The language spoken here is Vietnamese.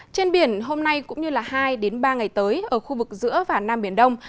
trên biển hôm nay cũng như hai ba ngày tới ở khu vực giữa và nam biển đông